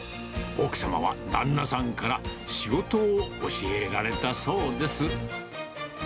奥様は旦那さんから、仕事を教えられたそうです。